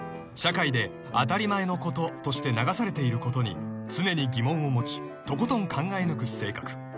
［社会で「当たり前のこと」として流されていることに常に疑問を持ちとことん考え抜く性格］